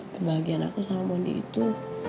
kebahagiaan aku sama mondi itu